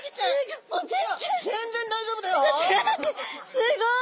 すごい！